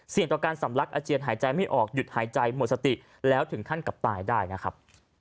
ต่อการสำลักอาเจียนหายใจไม่ออกหยุดหายใจหมดสติแล้วถึงขั้นกับตายได้นะครับ